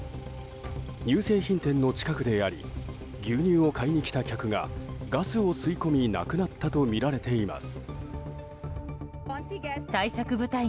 乳製品店の近くであり牛乳を買いに来た客がガスを吸い込み亡くなったとみられています。